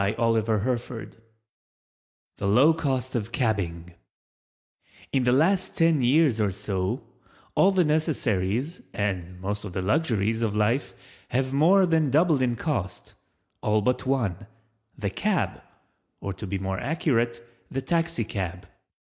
THE LOW COST OF CABBING In the last ten years or so all the necessaries and most of the luxuries of life have more than doubled in cost—all but one—the Cab—or to be more accurate, the Taxi cab.